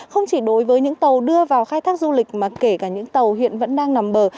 không chỉ đối với những tàu đưa vào khai thác du lịch mà kể cả những tàu hiện vẫn đang nằm bờ